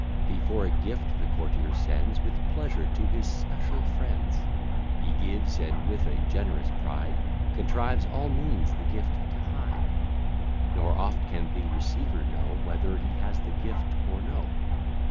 Thee for a gift the courtier sends With pleasure to his special friends: He gives, and with a generous pride, Contrives all means the gift to hide: Nor oft can the receiver know, Whether he has the gift or no.